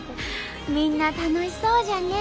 みんな楽しそうじゃね！